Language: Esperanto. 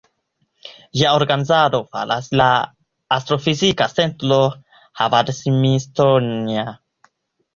Ĝian organizadon faras la Astrofizika Centro Harvard-Smithsonian.